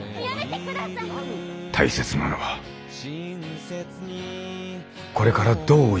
大切なのはこれからどう生きるかだ。